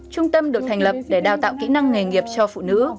trung tâm được thành lập để đào tạo kỹ năng nghề nghiệp cho phụ nữ